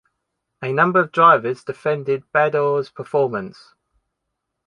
A number of drivers defended Badoer's performance.